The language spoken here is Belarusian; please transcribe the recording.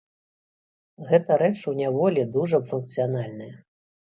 Гэта рэч у няволі дужа функцыянальная.